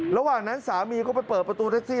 ระหว่างนั้นสามีก็ไปเปิดประตูแท็กซี่